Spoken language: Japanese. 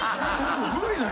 無理だよ！